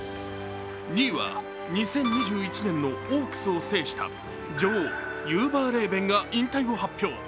２０２１年のオークスを制した女王、ユーバーレーベンが引退を発表。